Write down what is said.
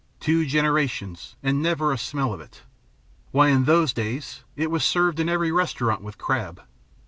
Two generations and never a smell of it! Why, in those days it was served in every restaurant with crab."